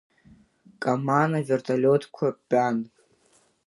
Каман авертолиотқәа тәан.